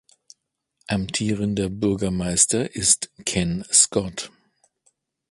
Amtierender Bürgermeister ist Ken Scott.